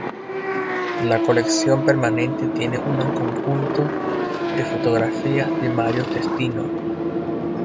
La colección permanente tiene una conjunto de fotografías de Mario Testino.